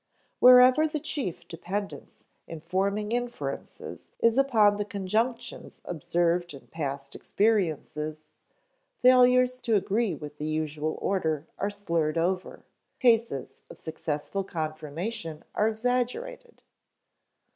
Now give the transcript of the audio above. Wherever the chief dependence in forming inferences is upon the conjunctions observed in past experience, failures to agree with the usual order are slurred over, cases of successful confirmation are exaggerated.